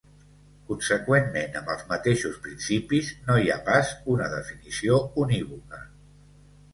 Conseqüentment amb els mateixos principis, no hi ha pas una definició unívoca.